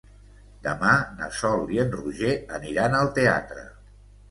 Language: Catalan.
Demà na Sol i en Roger aniran al teatre.